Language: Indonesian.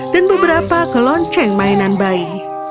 dan beberapa ke lonceng mainan bayi